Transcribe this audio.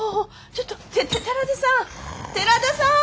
ちょっとて寺田さん寺田さん！